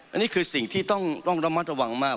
อันนี้คือสิ่งที่ต้องระมัดระวังมาก